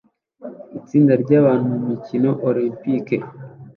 Itsinda ryabantu mumikino olempike